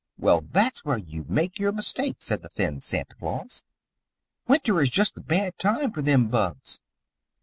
"Well, that's where you make your mistake," said the thin Santa Claus. "Winter is just the bad time for them bugs.